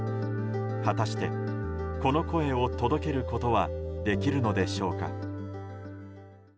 果たして、この声を届けることはできるのでしょうか。